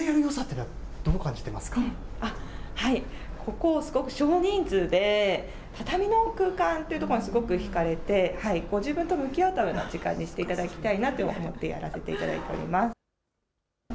これ、どうしてここでやろうと、そしてここでやるよさっていうのここはすごく少人数で畳の空間というところがすごく引かれて、ご自分と向き合うための時間にしていただきたいなと思ってやらせていただいております。